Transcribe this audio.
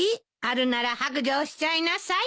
あるなら白状しちゃいなさい。